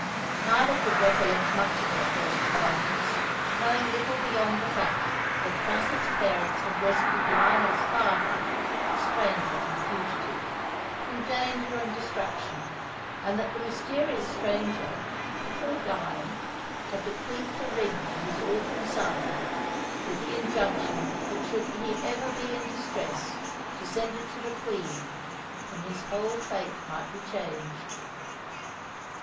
Neither could recollect much of their first acquaintance, knowing little beyond the fact that Plunket's parents had rescued Lionel's father, a stranger and fugitive, from danger and destruction, and that the mysterious stranger, before dying, had bequeathed a ring to his orphan son, with the injunction that should he ever be in distress, to send it to the Queen, when his whole fate might be changed.